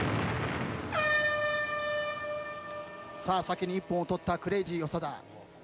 先に１本を取ったクレイジー長田。